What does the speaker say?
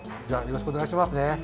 じゃあよろしくおねがいしますね。